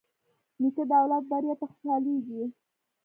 نیکه د اولاد بریا ته خوشحالېږي.